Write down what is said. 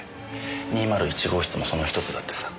２０１号室もその１つだってさ。